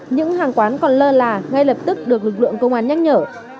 những hàng quán còn lơ là ngay lập tức được lực lượng công an nhắc nhở